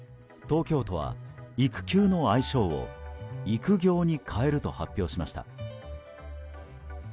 東京都は育休の愛称を育業に変えると発表しました。